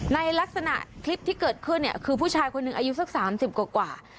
ในลักษณะคลิปที่เกิดขึ้นเนี่ยคือผู้ชายคนหนึ่งอายุสัก๓๐กว่า